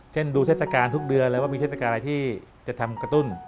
ดูเทศกาลทุกเดือนเลยว่ามีเทศกาลอะไรที่จะทำกระตุ้น